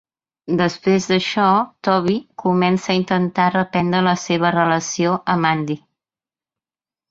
Després d'això, Toby comença a intentar reprendre la seva relació amb Andy.